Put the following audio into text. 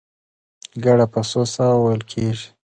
ګړه په څو ساه وو وېل کېږي؟